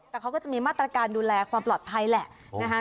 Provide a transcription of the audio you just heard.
แต่เขาก็จะมีมาตรการดูแลความปลอดภัยแหละนะคะ